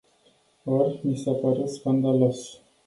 Or, mi s-a părut scandalos.